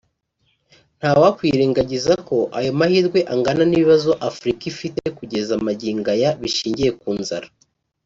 ntawakwirengagagiza ko ayo mahirwe angana n’ibibazo Afurika ifite kugeza magingo aya bishingiye ku nzara